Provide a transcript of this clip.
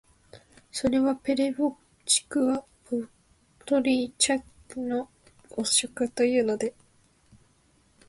それは「ペレヴォッチクはポドリャッチクの誤植」というので、